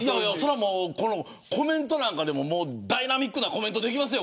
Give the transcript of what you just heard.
コメントなんかでもダイナミックなコメントできますよ。